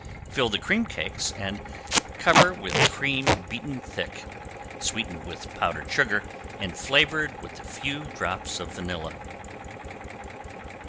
Fill the cream cakes and cover with cream beaten thick, sweetened with powdered sugar and flavored with a few drops of vanilla.